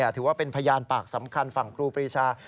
ถือว่าเป็นพยานปากสำคัญฝั่งครูปรีชา